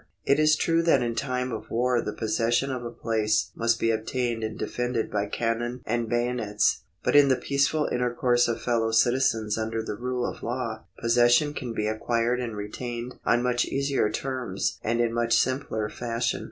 It is true that in time of war the possession of a place must be obtained and defended by cannon and bayonets ; but in the peaceful intercourse of fellow citizens under the rule of law, possession can be acquired and retained on much easier terms and in much simpler fashion.